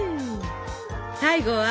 最後は？